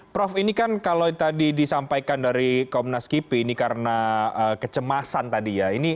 prof ini kan kalau tadi disampaikan dari komnas kipi ini karena kecemasan tadi ya